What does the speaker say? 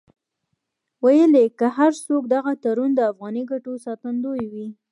ویل یې که هر څو دغه تړون د افغاني ګټو ساتندوی وي.